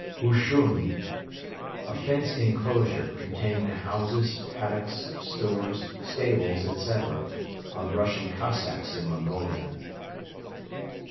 Hushun. A fenced enclosure, containing the houses, paddocks, stores, stables, etc., of Russian Cossacks in Mongolia.